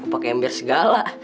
bangunin aku pakai ember segala